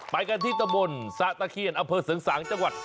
ไปกันที่ตะบนสะตะเคียนอำเภอเสริงสางจังหวัด